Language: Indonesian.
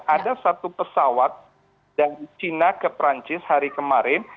ada satu pesawat dari china ke perancis hari kemarin